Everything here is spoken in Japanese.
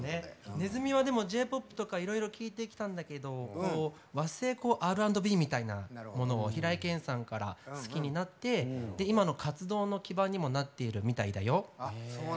ねずみはＪーポップとかいろいろ聴いてきたんだけど和製Ｒ＆Ｂみたいなものを平井堅さんから好きになって今の活動の基盤にもなっているみたいだよ！